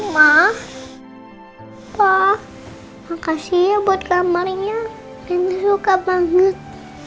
ma pa makasih ya buat kamarnya mama suka banget